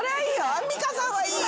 アンミカさんはいいよ。